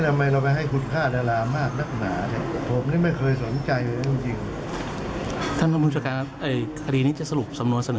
เล่นไลน์เล่นเฟสบุ๊คอะไรต่าง